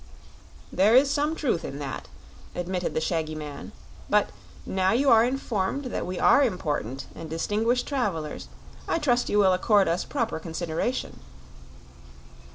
"There is some truth in that," admitted the shaggy man; "but, now you are informed that we are important and distinguished travelers, I trust you will accord us proper consideration."